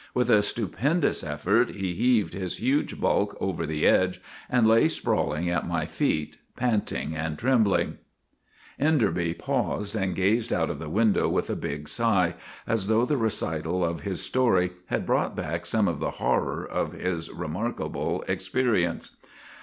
With a stupendous effort he heaved his huge bulk over the edge and lay sprawling at my feet, panting and trembling/' Enderby paused and gazed out of the window with a big sigh, as though the recital of his story had brought back some of the horror of his remark able experience.